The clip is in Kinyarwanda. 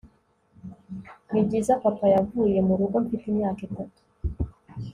nibyiza, papa yavuye murugo mfite imyaka itatu